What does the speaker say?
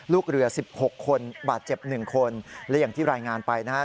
ลูกเรือสิบหกคนบาดเจ็บ๑คนและอย่างที่รายงานไปนะฮะ